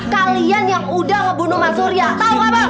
kalian yang udah ngebunuh mas surya tau gak bang